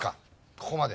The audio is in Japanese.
ここまで。